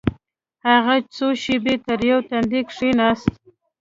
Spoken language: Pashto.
هغه څو شېبې تريو تندى کښېناست.